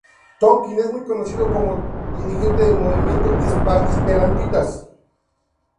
Tonkin es muy conocido como dirigente del movimiento esperantista.